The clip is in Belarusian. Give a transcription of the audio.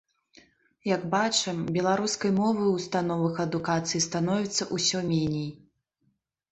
Як бачым, беларускай мовы ў установах адукацыі становіцца ўсё меней.